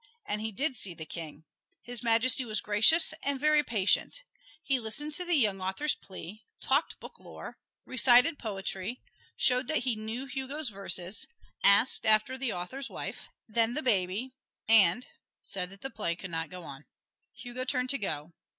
And he did see the King. His Majesty was gracious and very patient. He listened to the young author's plea, talked book lore, recited poetry, showed that he knew Hugo's verses, asked after the author's wife, then the baby, and said that the play could not go on. Hugo turned to go.